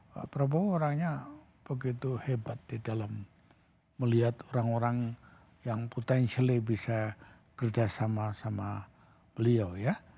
pak prabowo orangnya begitu hebat di dalam melihat orang orang yang potensial bisa kerjasama sama beliau ya